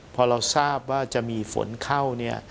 พอเราทราบว่าจะมีฝนเข้า